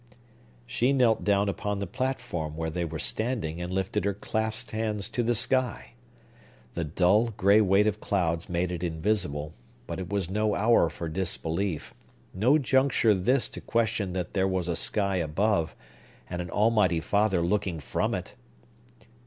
She knelt down upon the platform where they were standing and lifted her clasped hands to the sky. The dull, gray weight of clouds made it invisible; but it was no hour for disbelief,—no juncture this to question that there was a sky above, and an Almighty Father looking from it!